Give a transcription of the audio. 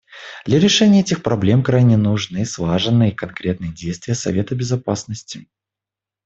Для решения этих проблем крайне нужны слаженные и конкретные действия Совета Безопасности.